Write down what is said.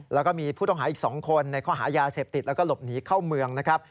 แล้วก็มีผู้ต้องหาอีก๒คนในข้อหายาเสพติดแล้วก็หลบหนีเข้าเมืองนะครับ